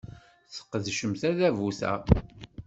Tesqedcem tadabut-a.